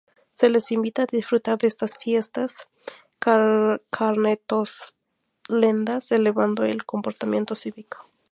Se les invita a disfrutar de estas fiestas carnestolendas, elevando el comportamiento cívico.